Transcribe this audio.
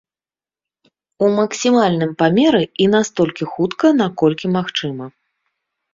У максімальным памеры і настолькі хутка, наколькі магчыма.